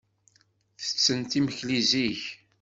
Tettett imekli zik.